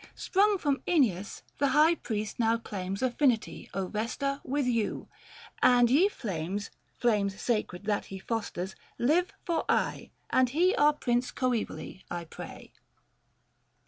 Sprung from ^Eneas, the high priest now claims Affinity, Vesta ! with you. And ye flames, Flames sacred that he fosters, live for aye : 460 And he our Prince coevally, I pray.